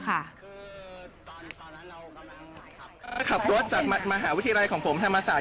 ถ้าขับรถจากมหาวิทยาลัยของผมธรรมศาสตร์